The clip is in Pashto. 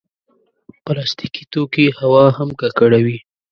پلاستيکي توکي هوا هم ککړوي.